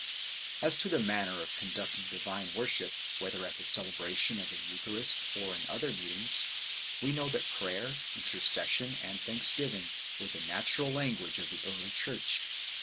As to the manner of conducting divine worship, whether , ^t the celebration of the Eucharist or in other meetings, we know that prayer, intercession, and thanksgiving, were thg~TTa~tural language of the early Church 7